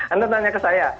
anda tanya ke saya